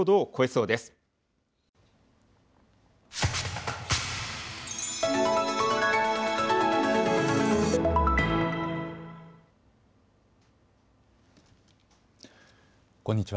こんにちは。